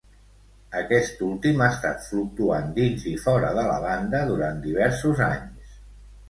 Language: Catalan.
Aquest últim ha estat fluctuant dins i fora de la banda durant diversos anys.